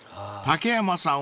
［竹山さん？］